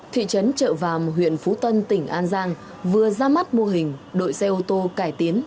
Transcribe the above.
thị trấn trợ vàm huyện phú tân tỉnh an giang vừa ra mắt mô hình đội xe ô tô cải tiến